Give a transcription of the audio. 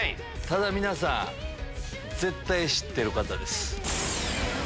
ただ皆さん絶対知ってる方です。